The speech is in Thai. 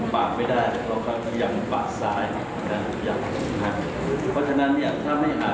พอเสียงภาษาดีขึ้น